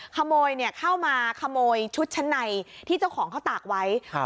ขโมยเนี่ยเข้ามาขโมยชุดชั้นในที่เจ้าของเขาตากไว้